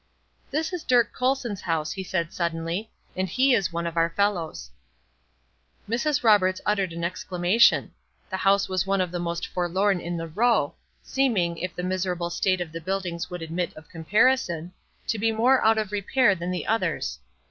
"This is Dirk Colson's house," he said, suddenly, "and he is one of our fellows." Mrs. Roberts uttered an exclamation. The house was one of the most forlorn in the row, seeming, if the miserable state of the buildings would admit of comparison, to be more out of repair than the others.